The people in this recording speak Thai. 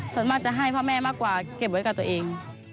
ส่วนมากจะให้พ่อแม่มากกว่าเก็บไว้กับตัวเอง